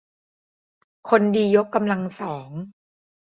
คนดียกกำลังสอง